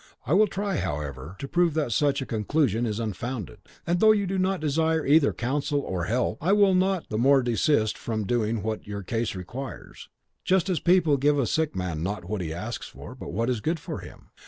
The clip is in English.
I will try, however, to prove that such a conclusion is unfounded; and though you do not desire either counsel or help, I will not the more desist from doing what your case requires, just as people give a sick man not what he asks for, but what is good for him.